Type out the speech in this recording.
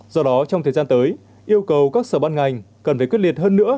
do đó trong thời gian tới yêu cầu các sở ban ngành cần phải quyết liệt hơn nữa